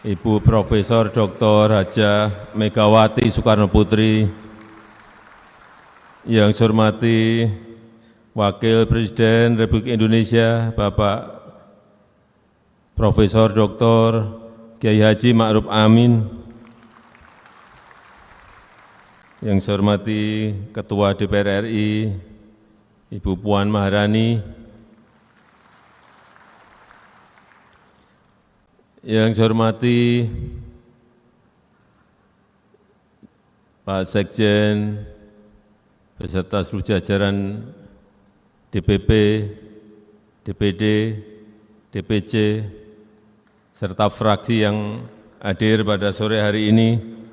ibu profesor dr raja megawati soekarno putri